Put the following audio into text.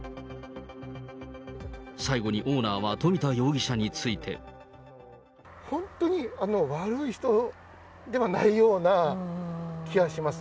最後にオーナーは冨田容疑者について。本当に悪い人ではないような気がします。